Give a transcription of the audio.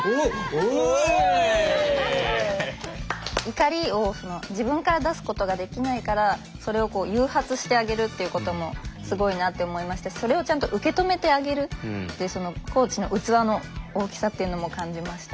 怒りを自分から出すことができないからそれを誘発してあげるっていうこともすごいなって思いましたしそれをちゃんと受け止めてあげるってコーチの器の大きさっていうのも感じました。